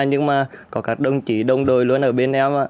nhưng mà có các đồng chí đồng đội luôn ở bên em